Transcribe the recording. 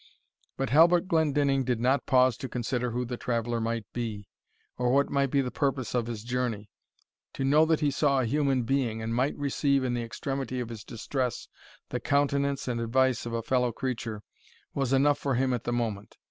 But Halbert Glendinning did not pause to consider who the traveller might be, or what might be the purpose of his journey. To know that he saw a human being, and might receive, in the extremity of his distress, the countenance and advice of a fellow creature, was enough for him at the moment.